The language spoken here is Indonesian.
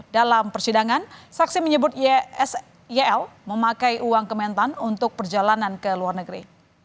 dalam persidangan saksi menyebut ysil memakai uang kementan untuk perjalanan ke luar negeri